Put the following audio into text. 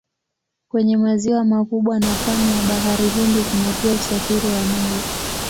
Kwenye maziwa makubwa na pwani ya Bahari Hindi kuna pia usafiri wa meli.